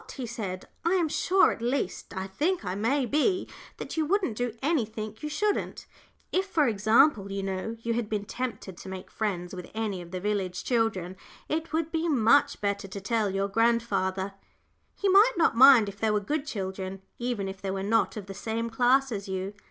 he said. "I am sure, at least I think I may be, that you wouldn't do anything you shouldn't. If, for example, you had been tempted to make friends with any of the village children, it would be much better to tell your grandfather; he might not mind if they were good children, even if they were not of the same class as you.